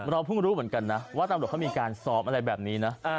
เราเพิ่งรู้เหมือนกันนะว่าตำรวจเขามีการซ้อมอะไรแบบนี้นะ